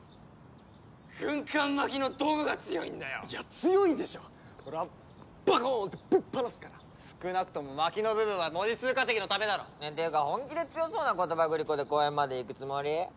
軍艦巻きのどこが強いんだよいや強いでしょ俺はバコーンってぶっ放すから少なくとも「巻き」の部分は文字数稼ぎのためだろねえていうか本気で強そうな言葉グリコで公園まで行くつもり？